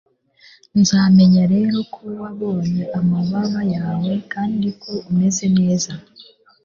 nzamenya rero ko wabonye amababa yawe kandi ko umeze neza